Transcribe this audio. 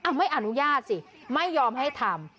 ไม่อนุญาตสิไม่ยอมให้ทำ